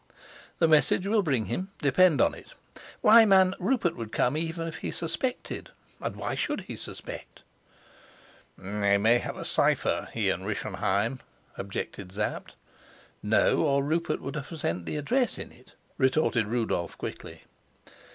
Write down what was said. The message will bring him, depend on it. Why, man, Rupert would come even if he suspected; and why should he suspect?" "They may have a cipher, he and Rischenheim," objected Sapt. "No, or Rupert would have sent the address in it," retorted Rudolf quickly.